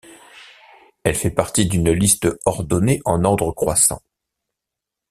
Elle fait partie d'une liste ordonnée en ordre croissant.